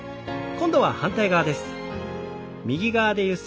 今度は反対側です。